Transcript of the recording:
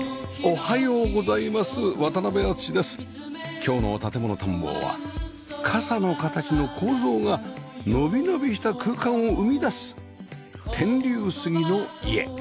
今日の『建もの探訪』は傘の形の構造がのびのびした空間を生み出す天竜杉の家